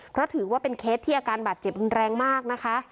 เพราะถือว่าเป็นเคสที่อาการบาดเจ็บรุนแรงมากนะคะ